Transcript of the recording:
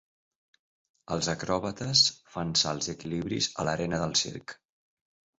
Els acròbates fan salts i equilibris a l'arena del circ.